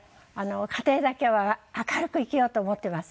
家庭だけは明るく生きようと思ってます。